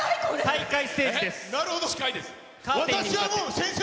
再会ステージです。